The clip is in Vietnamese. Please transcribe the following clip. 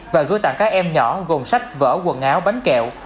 và gửi tặng các em nhỏ gồm sách vở quần áo bánh kẹo